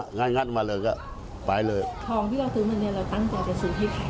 ทองที่เราซื้อมาเนี่ยเราตั้งใจจะซื้อให้ใคร